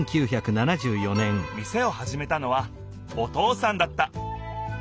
店をはじめたのはお父さんだった。